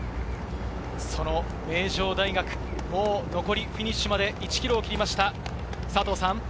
名城大学、もう残りフィニッシュまで１ｋｍを切りました。